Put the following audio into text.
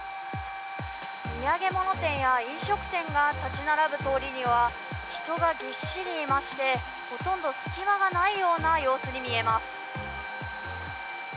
土産物店や飲食店が建ち並ぶ通りには人がぎっしりいましてほとんど隙間がないような様子に見えます。